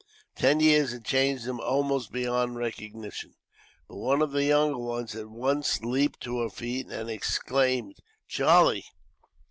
Ten years had changed him almost beyond recognition, but one of the younger ones at once leaped to her feet, and exclaimed, "Charlie!"